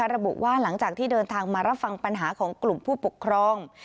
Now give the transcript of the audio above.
ระบุว่าหลังจากที่เดินทางมารับฟังปัญหาของกลุ่มผู้ปกครอง